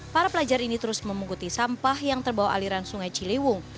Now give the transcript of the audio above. para pelajar ini terus memungkuti sampah yang terbawa aliran sungai ciliwung